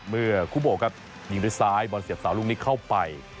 เมื่อคุโบครับยิงด้วยซ้ายบอลเสียบสาวลูกนี้เข้าไป